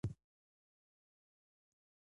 ماشومان به خوندي وده وکړي.